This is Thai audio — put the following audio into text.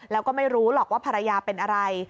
แล้วก็ไม่รู้หรอกว่าภรรยาเป็นอะไร